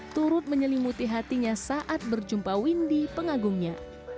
turut menyelimuti hatinya saat berjumpa windy pengagumnya